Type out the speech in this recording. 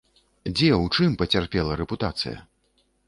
Дзе, у чым пацярпела рэпутацыя?